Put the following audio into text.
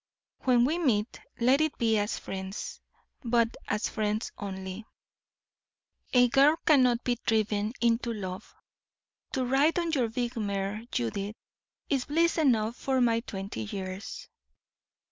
When we meet, let it be as friends, but as friends only. A girl cannot be driven into love. To ride on your big mare, Judith, is bliss enough for my twenty years.